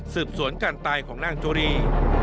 สืบสวนการตายของนางจุรี